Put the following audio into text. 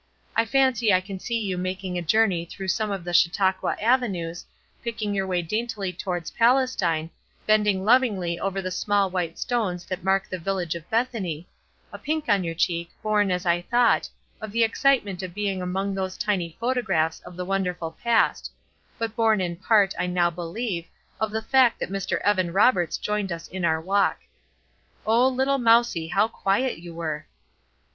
I fancy I can see you making a journey through some of the Chautauqua avenues, picking your way daintily towards Palestine, bending lovingly over the small white stones that mark the village of Bethany, a pink on your cheek, born, as I thought, of the excitement of being among those tiny photographs of the wonderful past, but born in part, I now believe, of the fact that Mr. Evan Roberts joined us in our walk. Oh, little mousie, how quiet you were!